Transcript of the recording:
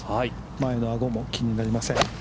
前のアゴは気になりません。